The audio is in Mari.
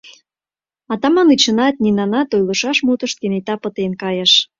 Атаманычынат, Нинанат ойлышаш мутышт кенета пытен кайыш.